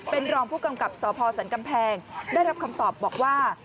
เป็นรองผู้กำกับสพสันกำแพงได้รับคำตอบบอกว่า